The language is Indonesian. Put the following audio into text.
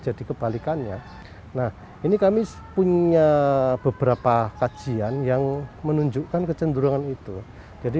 jadi kebalikannya nah ini kami punya beberapa kajian yang menunjukkan kecenderungan itu jadi